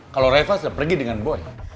kalau reva sudah pergi dengan boy